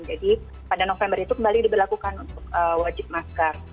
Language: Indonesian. jadi pada november itu kembali diberlakukan untuk wajib masker